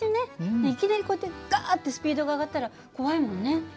いきなりこうやってガッてスピードが上がったら怖いもんね。